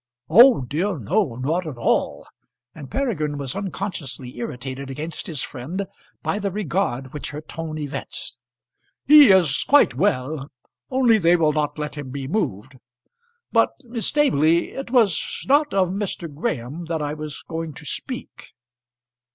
"Oh, dear, no; not at all." And Peregrine was unconsciously irritated against his friend by the regard which her tone evinced. "He is quite well; only they will not let him be moved. But, Miss Staveley, it was not of Mr. Graham that I was going to speak."